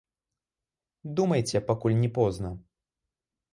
Думайце, пакуль не позна!